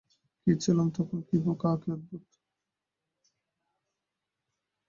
কী ছিলুম তখন, কী বোকা, কী অদ্ভুত!